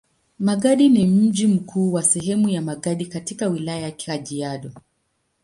Magadi ni mji mkuu wa sehemu ya Magadi katika Wilaya ya Kajiado.